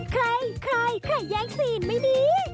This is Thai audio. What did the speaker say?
ใครใครแย่งซีนไม่ดี